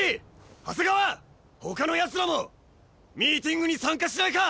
李長谷川ほかのやつらもミーティングに参加しないか！？